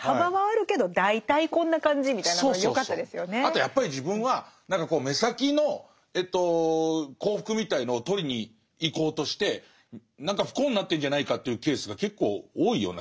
あとやっぱり自分は何か目先の幸福みたいのを取りに行こうとして何か不幸になってんじゃないかというケースが結構多いような気がして。